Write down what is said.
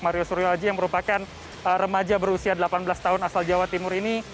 mario suryo aji yang merupakan remaja berusia delapan belas tahun asal jawa timur ini